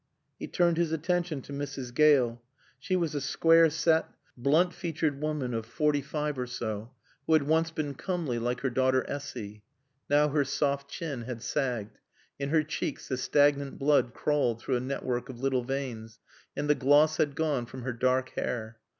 He turned his attention to Mrs. Gale. She was a square set, blunt featured woman of forty five or so, who had once been comely like her daughter Essy. Now her soft chin had sagged; in her cheeks the stagnant blood crawled through a network of little veins, and the gloss had gone from her dark hair.